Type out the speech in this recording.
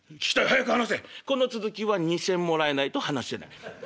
「この続きは２銭もらえないと話せない」。